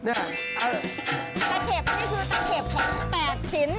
นี่คือนะเก็บของ๘ชิ้น